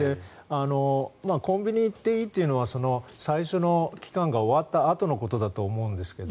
コンビニ行っていいというのは最初の期間が終わったあとのことだと思うんですけど。